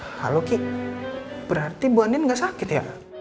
halo ki berarti bu andien gak sakit ya